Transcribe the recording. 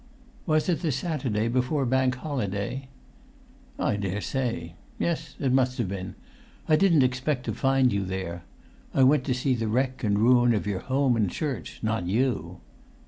"Was it the Saturday before Bank Holiday?" "I daresay. Yes, it must have been. I didn't expect to find you there. I went to see the wreck and ruin of your home and church, not you."